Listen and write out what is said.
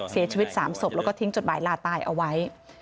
เสียชีวิต๓ศพแล้วก็ทิ้งจดหมายลาตายเอาไว้